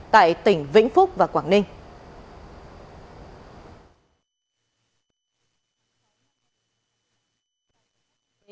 tại tỉnh vĩnh phúc và quảng ninh